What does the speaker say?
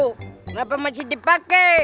kenapa masih dipake